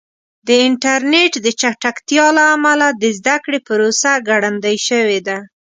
د انټرنیټ د چټکتیا له امله د زده کړې پروسه ګړندۍ شوې ده.